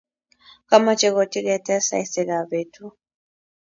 komoche kotiketes saisiekab betu